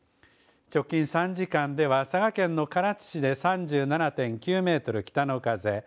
直近３時間では、佐賀県の唐津市で３７．９メートル、北の風。